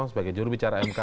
sebagai jurubicara mk